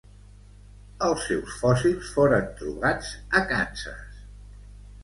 Els seus fòssils foren trobats a Kansas.